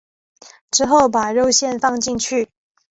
之后把肉馅放进去。